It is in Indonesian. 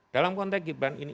dalam konteks gibran ini